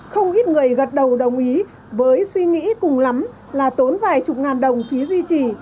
không ít người gật đầu đồng ý với suy nghĩ cùng lắm là tốn vài chục ngàn đồng phí duy trì